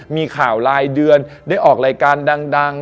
มีข่าวรายเดือนได้ออกรายการดัง